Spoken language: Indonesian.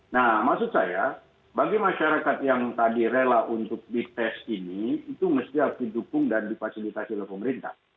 nah maksud saya bagi masyarakat yang tadi rela untuk dites ini itu mesti harus didukung dan difasilitasi oleh pemerintah